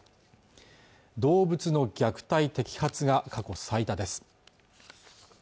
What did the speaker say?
動物の虐待摘発が過去最多です